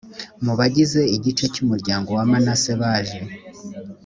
mu bagize igice cy umuryango wa manase baje